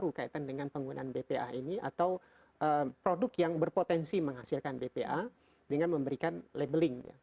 berkaitan dengan penggunaan bpa ini atau produk yang berpotensi menghasilkan bpa dengan memberikan labeling